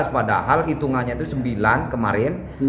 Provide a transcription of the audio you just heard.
padahal hitungannya itu sembilan kemarin